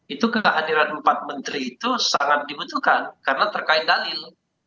itu kehadiran empat menteri itu sangat dibutuhkan karena terkait dalil